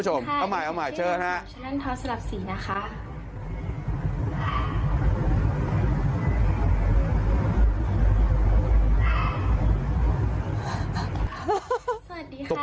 เห็นไหมเห็นยัง